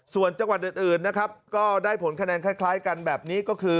ส่วนจังหวัดอื่นนะครับก็ได้ผลคะแนนคล้ายกันแบบนี้ก็คือ